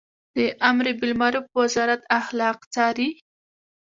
د امربالمعروف وزارت اخلاق څاري